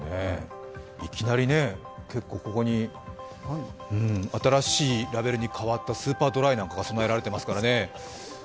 いきなりね、ここに新しいラベルに変わったスーパードライなんかが供えられていますからね。